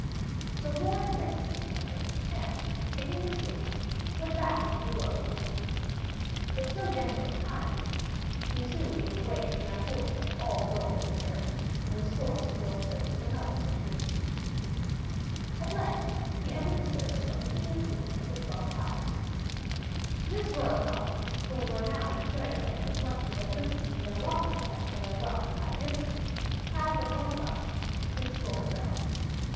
So Florian thanked the Enchanter, and taking his gifts, went back into the world again. But so gentle and kind was he that he soon gave away to the unfortunate all the gold he had earned, and was forced to go in search of another situation. At length he entered the service of the King and Queen of the Twelve Towers. This royal couple, who were renowned in Fairyland as much for their goodness and generosity as for their wealth and magnificence, had but one son, Prince Florizel.